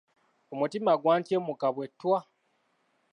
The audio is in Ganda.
Omutima gwantyemuka bwe ttwa.